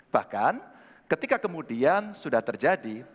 bahkan ketika kemudian sudah terjadi